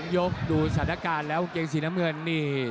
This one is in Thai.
ยกดูสถานการณ์แล้วกางเกงสีน้ำเงินนี่